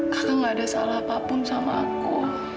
karena gak ada salah apapun sama aku